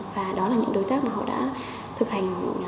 và đó là những đối tác mà họ đã thực hành